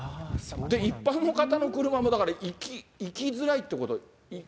一般の方の車もだから行きづらいってこと？